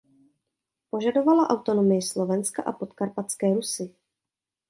Požadovala autonomii Slovenska a Podkarpatské Rusi.